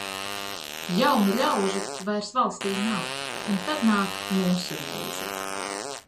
Jaunu ļaužu vairs valstī nav, un tad nāk mūsu reize.